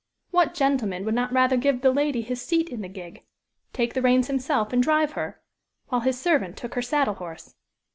What gentleman would not rather give the lady his seat in the gig take the reins himself and drive her, while his servant took her saddle horse.